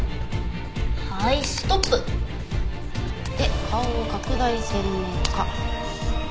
はいストップ！で顔を拡大鮮明化。